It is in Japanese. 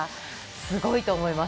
すごいと思います。